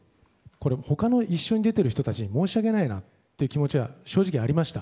他の一緒に出てる人たちに申し訳ないなっていう気持ちは正直ありました。